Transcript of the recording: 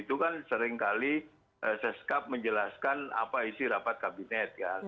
itu kan seringkali seskap menjelaskan apa isi rapat kabinet kan